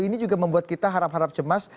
ini juga membuat kita harap harap cemas